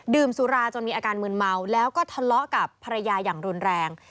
สุราจนมีอาการมืนเมาแล้วก็ทะเลาะกับภรรยาอย่างรุนแรง